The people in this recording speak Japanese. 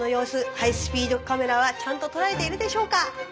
ハイスピードカメラはちゃんと捉えているでしょうか？